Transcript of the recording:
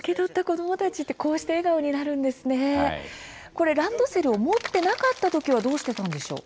これランドセルを持ってなかった時はどうしてたんでしょう？